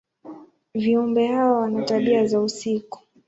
Viumbe hawa wana tabia za usiku.